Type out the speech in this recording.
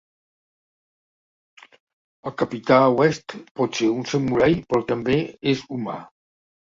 El capità West pot ser un samurai, però també és humà.